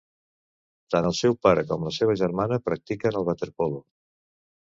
Tant el seu pare com la seva germana practiquen el waterpolo.